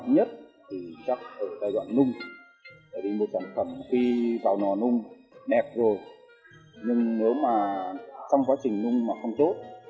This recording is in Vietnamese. nhưng nếu mà trong quá trình nung mà không tốt